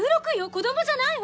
子供じゃないわ」